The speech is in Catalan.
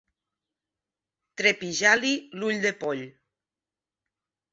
Trepitjar-li l'ull de poll.